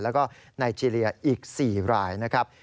แล้วก็ไนเจรียอีก๔รายนะครับ